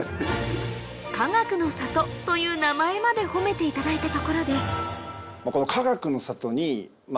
「かがくの里」という名前まで褒めていただいたところで何かありますか？